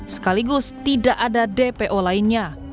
sekaligus tidak ada dpo lainnya